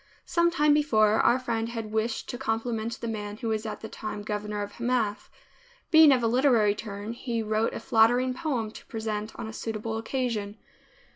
Some time before, our friend had wished to compliment the man who was at the time governor of Hamath. Being of a literary turn he wrote a flattering poem to present on a suitable occasion.